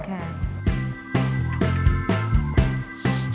ค่ะ